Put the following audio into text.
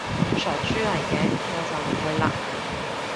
傻豬嚟嘅，我就唔會嘞